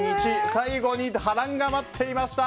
最後に波乱が待っていました！